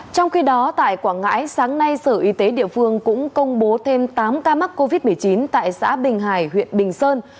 trong khi đó tại quảng ngãi sáng nay sở y tế địa phương cũng công bố thêm tám ca mắc covid một mươi chín tại xã bình hải huyện bình sơn